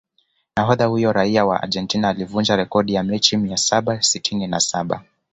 Nahodha huyo raia wa Argentina alivunja rekodi ya mechi mia saba sitini na saba